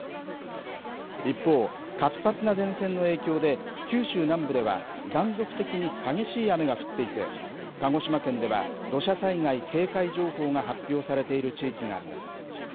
一方、活発な前線の影響で、九州南部では断続的に激しい雨が降っていて、鹿児島県では土砂災害警戒情報が発表されている地域があります。